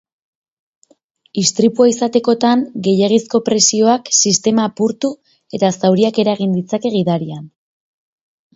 Istripua izatekotan, gehiegizko presioak sistema apurtu eta zauriak eragin ditzake gidarian.